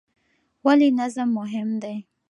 ولې نظم مهم دی؟